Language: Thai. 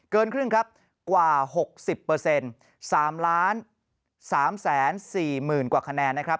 เกินครึ่งครับกว่า๖๐๓๓๔๐๐๐กว่าคะแนนนะครับ